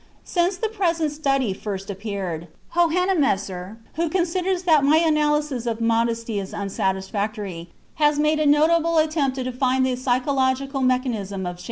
Since the present Study first appeared, Hohenemser, who considers that my analysis of modesty is unsatisfactory, has made a notable attempt to define the psychological mechanism of shame.